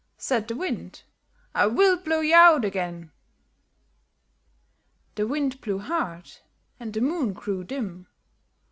Said the Wind "I will blow you out again." The Wind blew hard, and the Moon grew dim.